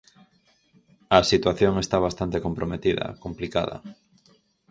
A situación está bastante comprometida, complicada.